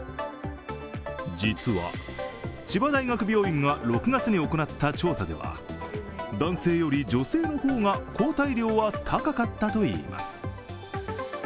実は千葉大学病院が６月に行った調査では、男性より女性の方が抗体量は高かったといいます。